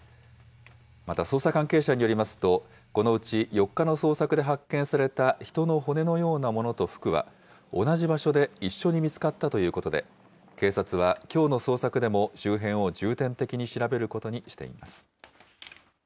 また、捜査関係者によりますと、このうち４日の捜索で発見された人の骨のようなものと服は、同じ場所で一緒に見つかったということで、警察はきょうの捜索でも周辺を重点的に調べることにしています。